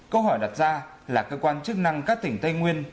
câu hỏi đặt ra là cơ quan chức năng các tỉnh tây nguyên